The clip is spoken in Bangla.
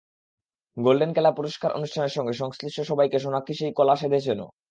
গোল্ডেন কেলা পুরস্কার অনুষ্ঠানের সঙ্গে সংশ্লিষ্ট সবাইকে সোনাক্ষী সেই কলা সেধেছেনও।